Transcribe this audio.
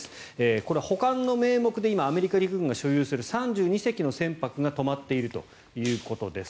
これ、保管の名目で今、アメリカ陸軍が所有する３２隻の船舶が止まっているということです。